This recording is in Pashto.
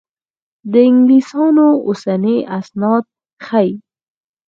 د انګلیسیانو اوسني اسناد ښيي.